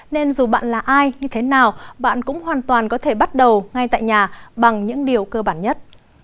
nên dù bạn là ai như thế nào bạn cũng hoàn toàn có thể bắt đầu ngay tại nhà bằng những điều cơ bản nhất